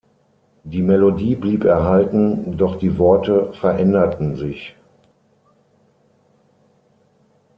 Die Melodie blieb erhalten, doch die Worte veränderten sich.